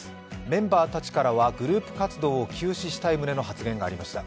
メンバーたちからはグループ活動を休止したい旨の発言がありました。